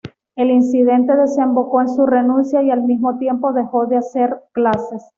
El incidente desembocó en su renuncia y, al mismo tiempo, dejó de hacer clases.